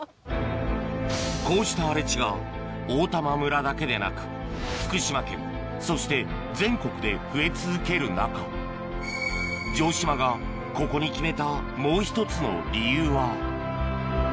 こうした荒れ地が大玉村だけでなく福島県そして全国で増え続ける中城島が男たちがえっ？